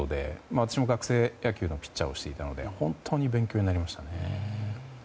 私も学生野球でピッチャーをしていたので本当に勉強になりました。